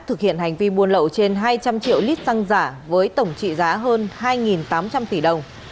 thực hiện hành vi buôn lậu trên hai trăm linh triệu lít xăng giả với tổng trị giá hơn hai tám trăm linh tỷ đồng